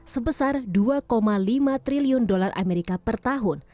sebesar dua lima triliun dolar amerika per tahun